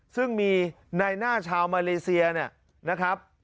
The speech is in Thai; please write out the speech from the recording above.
ซึ่งมีในหน้าชาวมาเลเซียเนี่ยนะครับ